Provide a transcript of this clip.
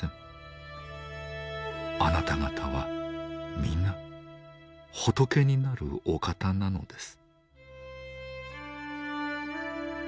あなた方は皆仏になるお方なのです」。